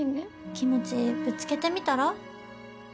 気持ちぶつけてみたら？